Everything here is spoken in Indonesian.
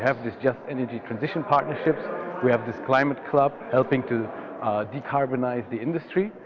kami memiliki perjalanan transisi energi kami memiliki klub klimat yang membantu untuk menghidupkan industri